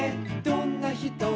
どんな人？」